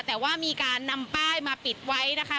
แต่ว่ามีการนำป้ายมาปิดไว้นะคะ